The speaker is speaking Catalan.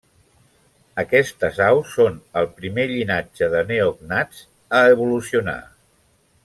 Aquestes aus són el primer llinatge de neògnats a evolucionar.